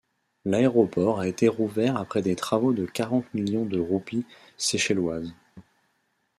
L'aéroport a été rouvert après des travaux de quarante millions de roupies seychelloises.